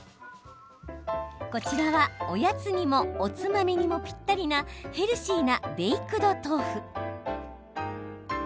こちらは、おやつにもおつまみにもぴったりなヘルシーなベイクド豆腐。